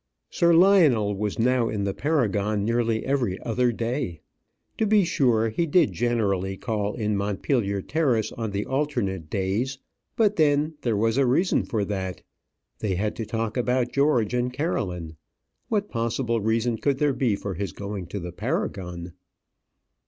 Sir Lionel was now in the Paragon nearly every other day. To be sure, he did generally call in Montpellier Terrace on the alternate days. But then there was a reason for that. They had to talk about George and Caroline. What possible reason could there be for his going to the Paragon?